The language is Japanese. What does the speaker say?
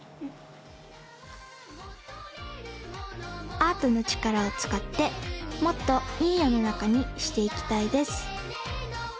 アートのちからをつかってもっといいよのなかにしていきたいです